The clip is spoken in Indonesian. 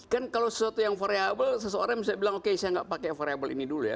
kan kalau sesuatu yang variable seseorang bisa bilang oke saya nggak pakai variable ini dulu ya